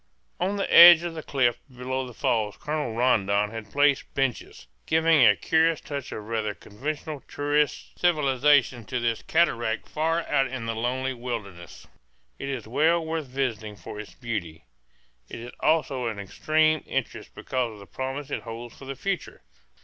On the edge of the cliff below the falls Colonel Rondon had placed benches, giving a curious touch of rather conventional tourist civilization to this cataract far out in the lonely wilderness. It is well worth visiting for its beauty. It is also of extreme interest because of the promise it holds for the future.